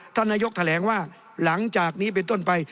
ท่านนายกแถลงว่าหลังจากนี้เป็นต้นไป